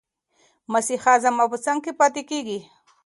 مسیحا زما په څنګ کې پاتې کېږي.